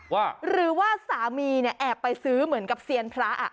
ว่าหรือว่าสามีเนี่ยแอบไปซื้อเหมือนกับเซียนพระอ่ะ